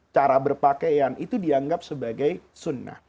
cara berpakaian itu dianggap sebagai sunnah